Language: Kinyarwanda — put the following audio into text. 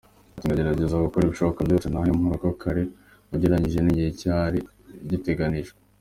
Ati “Ndagerageza gukora ibishoboka byose ntahe mu rugo kare ugereranije n’igihe cyari giteganijwe.